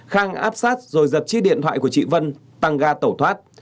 khang áp sát rồi giật chiếc điện thoại của chị vân tăng ga tẩu thoát